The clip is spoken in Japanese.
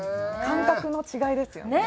感覚の違いですよね。